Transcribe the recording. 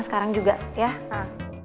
sekarang juga ya